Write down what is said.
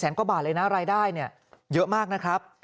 ๑แสนกว่าบาทเลยนะรายได้เยอะมากนะครับ